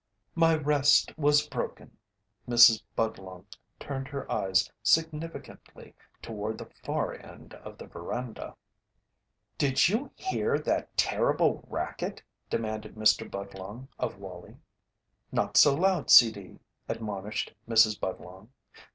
"My rest was broken." Mrs. Budlong turned her eyes significantly toward the far end of the veranda. "Did you hear that terrible racket?" demanded Mr. Budlong of Wallie. "Not so loud, 'C. D.,'" admonished Mrs. Budlong.